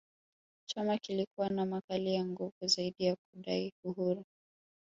Chama kilikuwa na makali na nguvu zaidi ya kudai uhuru